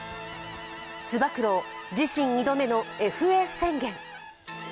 つば九郎、自身２度目のＦＡ宣言。